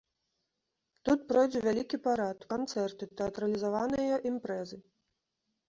Тут пройдзе вялікі парад, канцэрты, тэатралізаваныя імпрэзы.